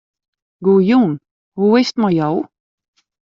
Goejûn, hoe is 't mei jo?